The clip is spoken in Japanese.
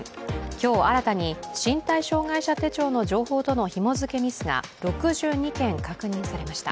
今日新たに身体障害者手帳の情報とのひも付けミスが６２件、確認されました。